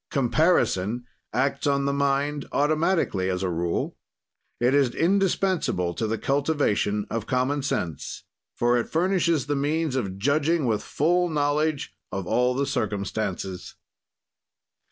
"Comparison acts on the mind automatically, as a rule. "It is indispensable to the cultivation of common sense, for it furnishes the means of judging with full knowledge of all the circumstances.